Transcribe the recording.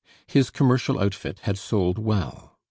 His commercial outfit had sold well.